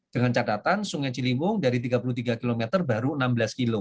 dengan catatan sungai ciliwung dari tiga puluh tiga km baru enam belas km